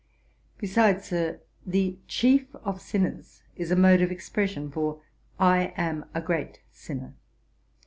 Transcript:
Besides, Sir, "the chief of sinners" is a mode of expression for "I am a great sinner."